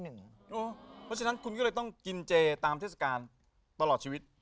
เพราะฉะนั้นคุณก็เลยต้องกินเจตามเทศกาลตลอดชีวิต